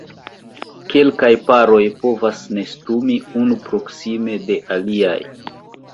Kelkaj paroj povas nestumi unu proksime de aliaj.